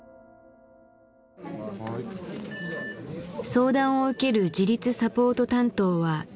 相談を受ける自立サポート担当は４人。